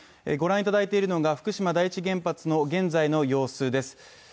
ご覧いただいているのが福島第一原発の現在の様子です。